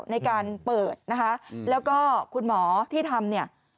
ในการเปิดนะคะแล้วก็คุณหมอที่ทำเนี่ย